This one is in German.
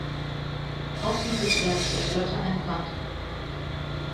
Auch dieses Werk zerstörte ein Brand.